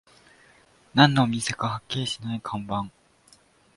何のお店かはっきりしない看板